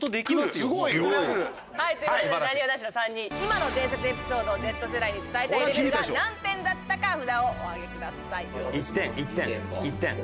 という事でなにわ男子の３人今の伝説エピソードをＺ世代に伝えたいレベルが何点だったか札をお上げください。